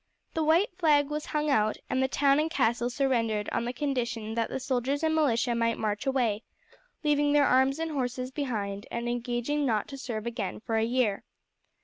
The white flag was hung out, and the town and castle surrendered on the condition that the soldiers and militia might march away, leaving their arms and horses behind and engaging not to serve again for a year.